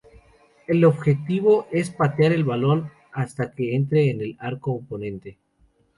El objetivo es patear el balón hasta que entre en el arco oponente.